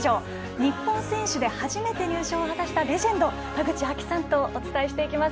日本選手で初めて入賞を果たしたレジェンド田口亜希さんとお伝えしていきます。